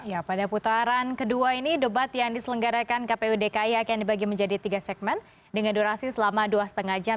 ya pada putaran kedua ini debat yang diselenggarakan kpu dki akan dibagi menjadi tiga segmen dengan durasi selama dua lima jam